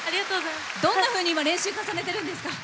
どんなふうに練習重ねてるんですか？